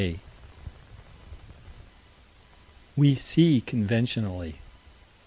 14 We see conventionally.